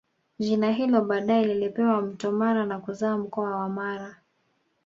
Jina hilo baadae lilipewa Mto Mara na kuzaa mkoa wa Mara